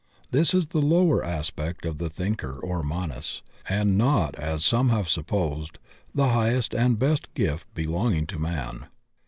This is the lower aspect of the Thinker or Manas, and not, as some have supposed, the highest and best gift belonging to man.